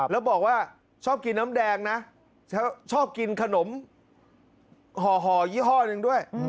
แล้วบอกว่าชอบกินน้ำแดงนะชอบกินขนมห่อยี่ห้อหนึ่งด้วย